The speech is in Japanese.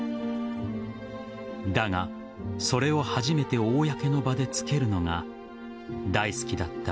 だがそれを初めて公の場でつけるのが大好きだった